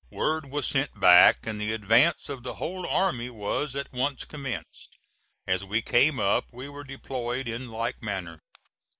Word was sent back, and the advance of the whole army was at once commenced. As we came up we were deployed in like manner.